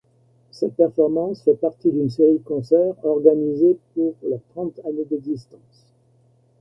Cette performance fait partie d'une série de concerts organisée pour leur trente années d'existence.